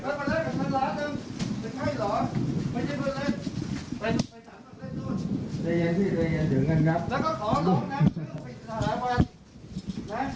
นะภาษาศาสตร์ตาอีกข้างหนึ่งแน่นให้เห็นว่าสถาบันทั่วสัตว์เนี้ย